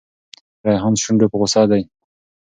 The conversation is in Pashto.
ریحان شونډو په غوسه دی.